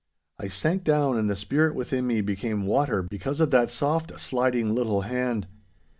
I sank down and the spirit within me became water because of that soft, sliding little hand.